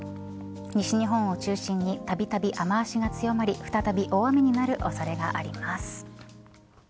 西日本を中心にたびたび雨脚が強まり再び大雨になる恐れがあります。